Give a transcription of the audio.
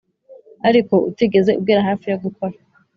ariko utigeze ugera hafi yo gukora?